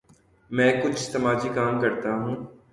میں کچھ سماجی کام کرتا ہوں۔